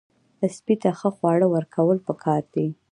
سپي ته ښه خواړه ورکول پکار دي.